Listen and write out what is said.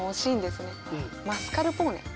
マスカルポーネ。